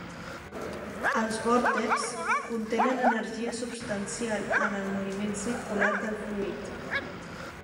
Els vòrtexs contenen energia substancial en el moviment circular del fluid.